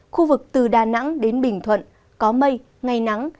khu vực từ đà nẵng đến bình thuận có mây ngày nắng